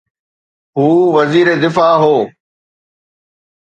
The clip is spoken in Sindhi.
هو وزير دفاع هو.